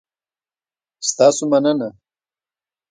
ستاسو مننه؟